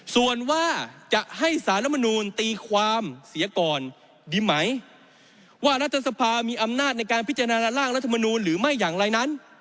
ส่วนว่าจะให้สารมนูลตีความเสียก่อนดีไหมว่ารัฐสภามีอำนาจในการพิจารณาร่างรัฐมนูลหรือไม่อย่างไรนั้น